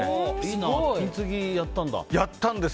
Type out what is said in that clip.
いいな、金継ぎやったんだ。